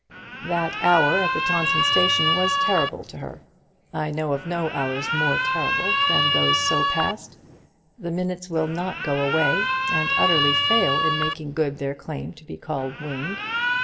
That hour at the Taunton station was terrible to her. I know of no hours more terrible than those so passed. The minutes will not go away, and utterly fail in making good their claim to be called winged.